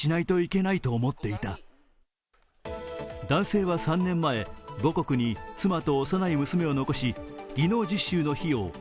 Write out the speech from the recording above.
男性は３年前、母国に妻と推さない娘を残し、技能実習の費用